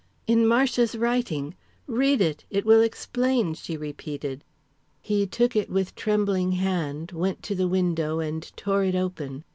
"In Marcia's writing. Read it. It will explain," she repeated. He took it with trembling hand, went to the window, and tore it open.